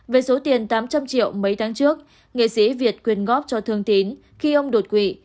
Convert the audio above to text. về số tiền tám trăm linh triệu mấy tháng trước nghệ sĩ việt quyên góp cho thương tín khi ông đột quỵ